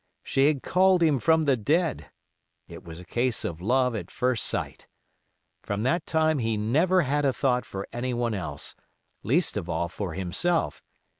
She had called him from the dead. It was a case of love at first sight. From that time he never had a thought for anyone else, least of all for himself.